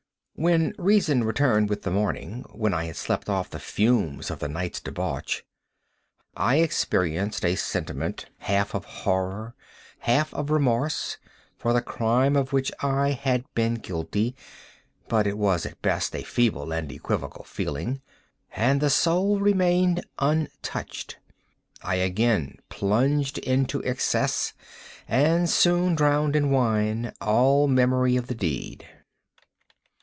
When reason returned with the morning—when I had slept off the fumes of the night's debauch—I experienced a sentiment half of horror, half of remorse, for the crime of which I had been guilty; but it was, at best, a feeble and equivocal feeling, and the soul remained untouched. I again plunged into excess, and soon drowned in wine all memory of the deed.